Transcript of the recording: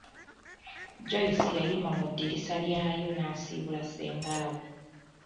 Joyce yayima mu ddirisa lyayo n'asiibula ssenga we.